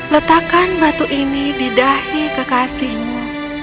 letakkan batu ini di dahi kekasihmu